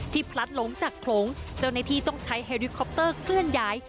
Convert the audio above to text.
ที่พลัดลงจากโครงจากในที่ต้องใช้เฮอรูคอปเตอร์เคลื่อนย้าย